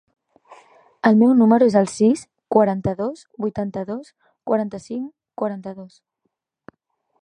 El meu número es el sis, quaranta-dos, vuitanta-dos, quaranta-cinc, quaranta-dos.